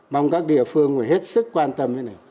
mong các địa phương hết sức quan tâm